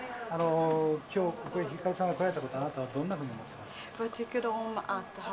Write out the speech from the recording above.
今日ここに光さんが来られたことあなたはどんなふうに思ってます？